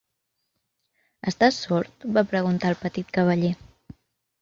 "Estàs sord?", va preguntar el petit cavaller.